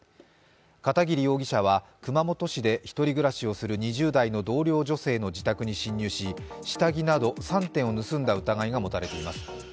片桐容疑者は熊本市で１人暮らしをする２０代の同僚女性の自宅に侵入し下着など３点を盗んだ疑いが持たれています。